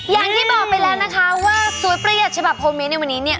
อย่างที่บอกไปแล้วนะคะว่าสวยประหยัดฉบับโฮเมตในวันนี้เนี่ย